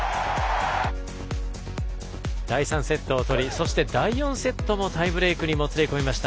第３セットを取りそして、第４セットもタイブレークにもつれ込みました。